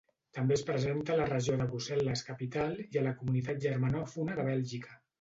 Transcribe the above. També es presenta a la regió de Brussel·les-Capital i a la Comunitat Germanòfona de Bèlgica.